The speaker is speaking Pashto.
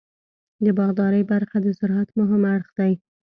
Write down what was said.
د باغدارۍ برخه د زراعت مهم اړخ دی.